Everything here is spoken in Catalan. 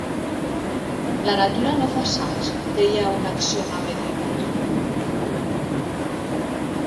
La natura no fa salts, deia un axioma medieval.